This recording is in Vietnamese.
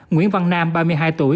nguyễn văn nam ba mươi hai tuổi